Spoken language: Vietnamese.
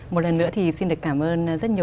một lần nữa thì xin được cảm ơn rất nhiều